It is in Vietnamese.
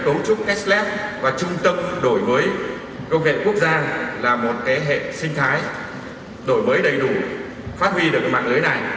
công nghệ quốc gia là một hệ sinh thái đổi mới đầy đủ phát huy được mạng lưới này